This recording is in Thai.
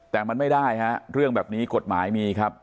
แต่มันไม่ได้ฮะเรื่องแบบนี้กฎหมายมีครับ